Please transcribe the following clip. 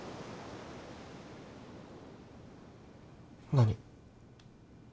何？